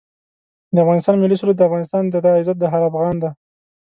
د افغانستان ملي سرود دا افغانستان دی دا عزت هر افغان دی